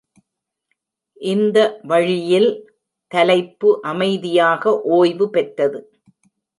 இந்த வழியில், தலைப்பு அமைதியாக ஓய்வு பெற்றது.